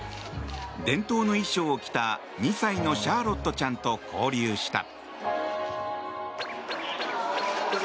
伝統の衣装を着た、２歳のシャーロットちゃんと交流した。